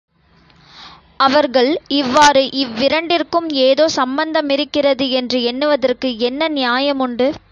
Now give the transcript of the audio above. அவர்கள், இவ்வாறு இவ்விரண்டிற்கும் ஏதோ சம்பந்தமிருக்கிறது என்று எண்ணுவதற்கு என்ன நியாயமுண்டு?